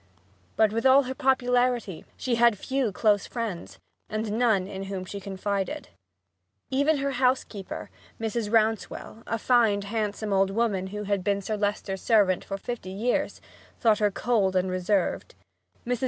But with all her popularity she had few close friends, and no one in whom she confided. Even her housekeeper, Mrs. Rouncewell, a fine, handsome old woman who had been Sir Leicester's servant for fifty years, thought her cold and reserved. Mrs.